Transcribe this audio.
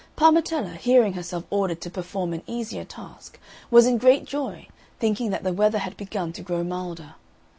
Parmetella, hearing herself ordered to perform an easier task, was in great joy, thinking that the weather had begun to grow milder.